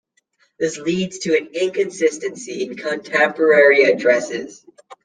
This leads to an inconsistency in contemporary addresses.